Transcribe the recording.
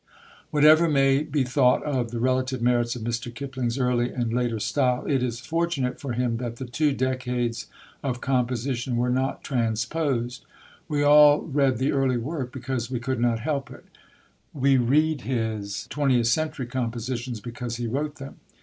Whatever may be thought of the relative merits of Mr. Kipling's early and later style, it is fortunate for him that the two decades of composition were not transposed. We all read the early work because we could not help it; we read his twentieth century compositions because he wrote them.